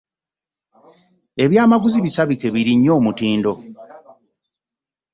Ebyamaguzi bisabike birinnye omutindo.